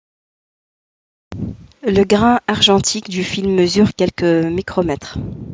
Le grain argentique du film mesure quelques micromètres.